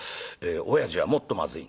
おやじはもっとまずい」。